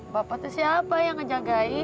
bapak itu siapa yang menjaga